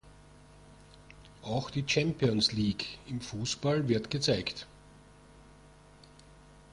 Auch die Champions League im Fußball wird gezeigt.